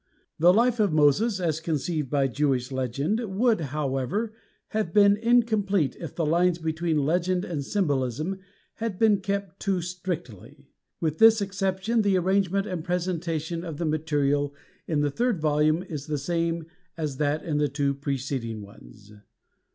The life of Moses, as conceived by Jewish legend, would, however, have been in complete if the lines between Legend and Symbolism had been kept too strictly. With this exception the arrangement and presentation of the material in the third volume is the same as that in the two preceding ones.